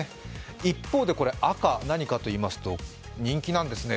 一方で赤、何かといいますと人気なんですね。